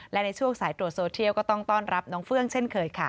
และในช่วงสายตรวจโซเทียลก็ต้องต้อนรับน้องเฟื่องเช่นเคยค่ะ